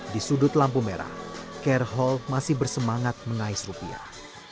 di sudut lampu merah care hall masih bersemangat mengais rupiah